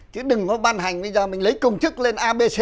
chứ đừng có ban hành bây giờ mình lấy công chức lên abc